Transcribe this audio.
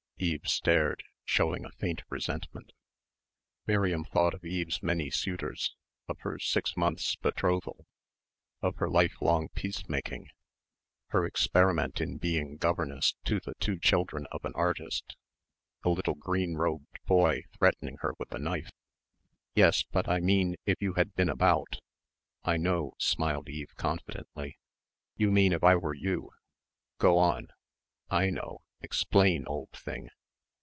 Eve stared, showing a faint resentment. Miriam thought of Eve's many suitors, of her six months' betrothal, of her lifelong peace making, her experiment in being governess to the two children of an artist a little green robed boy threatening her with a knife. "Yes, but I mean if you had been about." "I know," smiled Eve confidently. "You mean if I were you. Go on. I know. Explain, old thing."